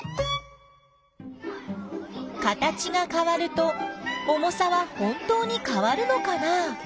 形がかわると重さは本当にかわるのかな？